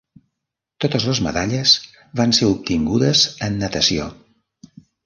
Totes les medalles van ser obtingudes en natació.